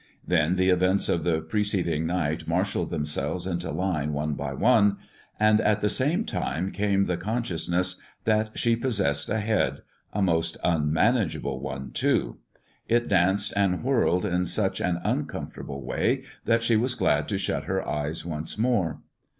Then the events of the preceding night marshaled themselves into line one by one, and at the same time came the consciousness that she possessed a head, a most unmanageable one, too. It danced and whirled in such an uncomfortable way that she was glad to shut her eyes once more.